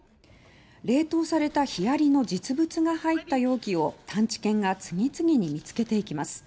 冷凍されたヒアリの実物が入った容器を探知犬が次々に見つけていきます。